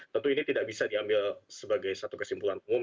tentu ini tidak bisa diambil sebagai satu kesimpulan umum